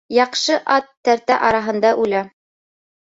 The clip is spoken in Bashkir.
Яҡшы ат тәртә араһында үлә.